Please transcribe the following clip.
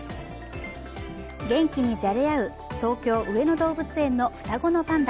元気にじゃれ合う東京・上野動物園の双子のパンダ。